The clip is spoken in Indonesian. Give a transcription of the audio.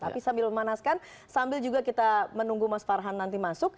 tapi sambil memanaskan sambil juga kita menunggu mas farhan nanti masuk